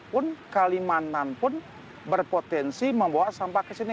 dan kalimantan pun berpotensi membawa sampah ke sini